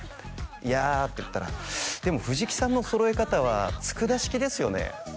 いやって言ったらでも藤木さんの揃え方はツクダ式ですよね？